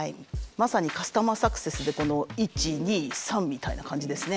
まさにカスタマーサクセスでこの１２３みたいな感じですね。